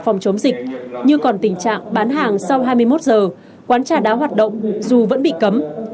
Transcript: phòng chống dịch như còn tình trạng bán hàng sau hai mươi một giờ quán trà đá hoạt động dù vẫn bị cấm